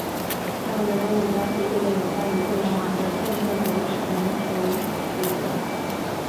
他们的任务将是确定有关于互联网的政策和统筹决策。